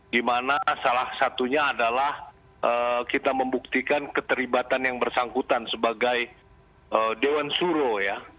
dimana salah satunya adalah kita membuktikan keterlibatan yang bersangkutan sebagai dewan suro ya